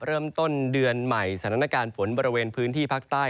เริ่มต้นเดือนใหม่สถานการณ์ฝนบริเวณพื้นที่ภาคใต้